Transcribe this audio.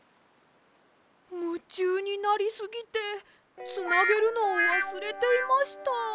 むちゅうになりすぎてつなげるのをわすれていました。